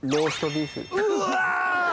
うわ！